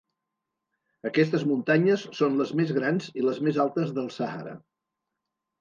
Aquestes muntanyes són les més grans i les més altes del Sàhara.